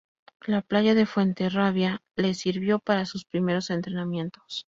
La playa de Fuenterrabía les sirvió para sus primeros entrenamientos.